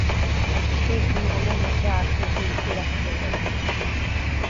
সেই ধূমধামের মধ্যে আর তো ওকে লুকিয়ে রাখা চলবে না।